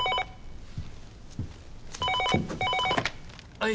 ・☎はい。